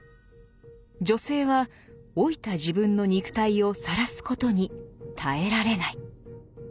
女性は老いた自分の肉体をさらすことに耐えられない。